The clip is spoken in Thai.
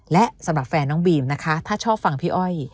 และสำหรับแฟนน้องบีมนะคะถ้าชอบฟังพี่อ้อย